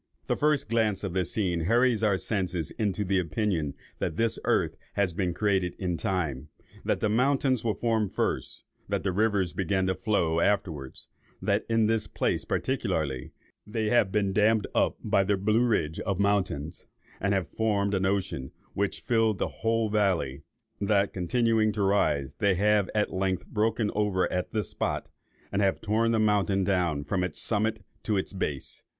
The first glance of this scene hurries our senses into the opinion that this earth has been created in time; that the mountains were formed first, that the rivers began to flow afterwards, that in this place particularly they have been dammed up by the Blue Ridge of mountains, and have formed an ocean which filled the whole valley; that, continuing to rise, they have at length broken over at this spot, and have torn the mountain down from its summit to its base.